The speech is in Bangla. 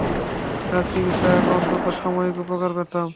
তাঁর চিকিৎসায় আমি অন্তত সাময়িক উপকার পেতাম।